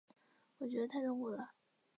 我觉得太痛苦了